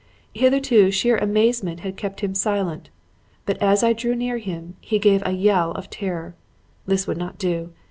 "Hitherto, sheer amazement had kept him silent, but as I drew near him he gave a yell of terror. This would not do.